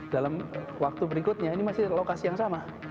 dalam waktu berikutnya ini masih lokasi yang sama